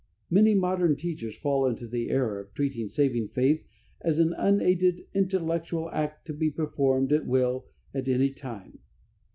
Many modern teachers fall into the error of treating saving faith as an unaided intellectual act to be performed, at will, at any time.